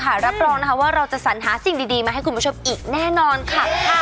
รับรองนะคะว่าเราจะสัญหาสิ่งดีมาให้คุณผู้ชมอีกแน่นอนค่ะ